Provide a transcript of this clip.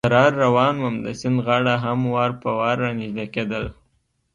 کرار روان ووم، د سیند غاړه هم وار په وار را نږدې کېدل.